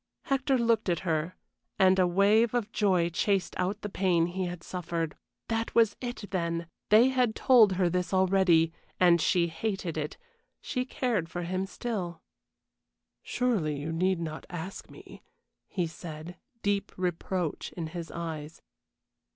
Hector looked at her, and a wave of joy chased out the pain he had suffered. That was it, then! They had told her this already, and she hated it she cared for him still. "Surely you need not ask me," he said, deep reproach in his eyes.